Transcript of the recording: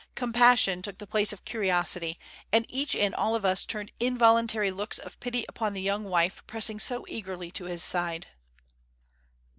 Compassion took the place of curiosity, and each and all of us turned involuntary looks of pity upon the young wife pressing so eagerly to his side.